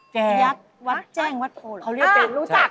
แยกวัดแจ้งวัดโภหรือเปล่าเขาเรียกเป็นรู้จัก